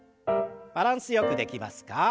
バランスよくできますか？